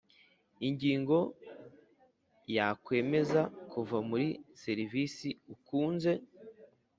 Ingingo ya Kwemeza kuva muri serivisi ukunze